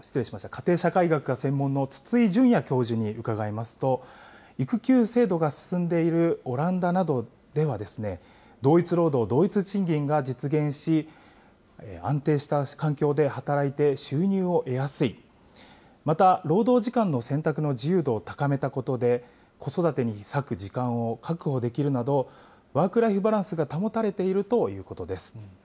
家庭社会学が専門の筒井淳也教授に伺いますと、育休制度が進んでいるオランダなどでは、同一労働同一賃金が実現し、安定した環境で働いて、収入を得やすい、また労働時間の選択の自由度を高めたことで、子育てに割く時間を確保できるなど、ワークライフバランスが保たれているということです。